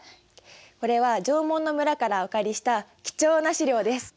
これは縄文の村からお借りした貴重な資料です。